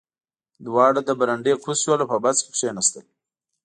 دواړه له برنډې کوز شول او په بس کې کېناستل